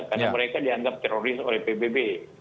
karena mereka dianggap teroris oleh pbb